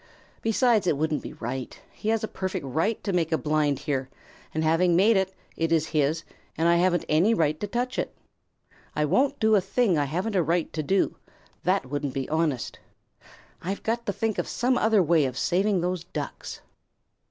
Besides, it wouldn't be right. He has a perfect right to make a blind here, and having made it, it is his and I haven't any right to touch it. I won't do a thing I haven't a right to do. That wouldn't be honest. I've got to think of some other way of saving those Ducks."